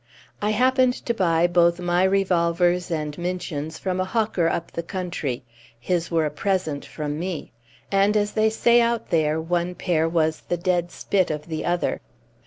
I happened to buy both my revolvers and Minchin's from a hawker up the country; his were a present from me; and, as they say out there, one pair was the dead spit of the other.